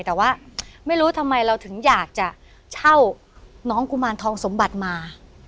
แต่ว่าไม่รู้ทำไมเราถึงอยากจะเช่าน้องกุมารทองสมบัติมา